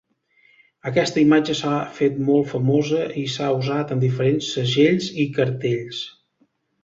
Aquesta imatge s'ha fet molt famosa i s'ha usat en diferents segells i cartells.